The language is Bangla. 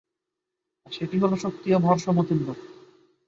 আর সেটি হল শক্তি ও ভর সমতুল্য।